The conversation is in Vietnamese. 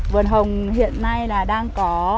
vườn hồng hiện nay là đang có